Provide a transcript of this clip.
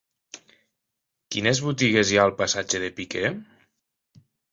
Quines botigues hi ha al passatge de Piquer?